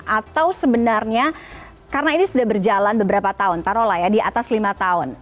atau sebenarnya karena ini sudah berjalan beberapa tahun taruh lah ya di atas lima tahun